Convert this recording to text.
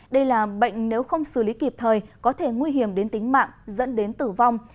đây là bệnh nếu không xử lý kịp thời có thể nguy hiểm đến tính mạng dẫn đến tử vong